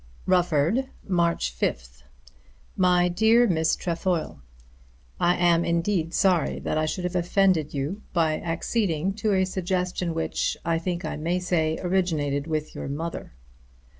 Rufford, March 5th. MY DEAR MISS TREFOIL, I am indeed sorry that I should have offended you by acceding to a suggestion which, I think I may say, originated with your mother.